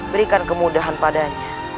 berikan kemudahan padanya